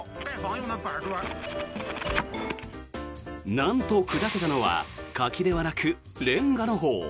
なんと、砕けたのは柿ではなくレンガのほう。